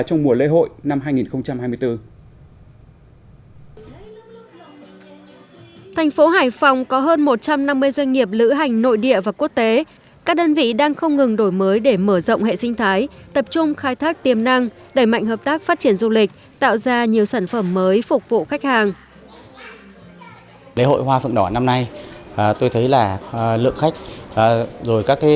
trong một trăm năm mươi doanh nghiệp lữ hành nội địa và quốc tế các đơn vị đang không ngừng đổi mới để mở rộng hệ sinh thái tập trung khai thác tiềm năng đẩy mạnh hợp tác phát triển du lịch tạo ra nhiều sản phẩm mới phục vụ khách hàng